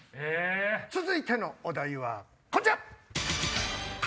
続いてのお題はこちら！